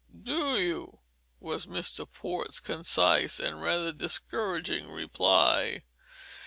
"Umph do you?" was Mr. Port's concise and rather discouraging reply.